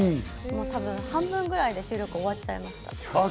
多分半分くらいで収録終わっちゃいました。